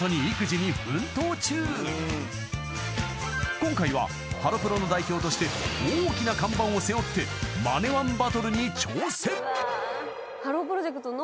［今回はハロプロの代表として大きな看板を背負ってＭＡＮＥ−１バトルに挑戦！］